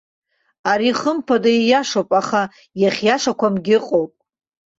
Ари хымԥада ииашоуп, аха иахьиашақәамгьы ыҟоуп.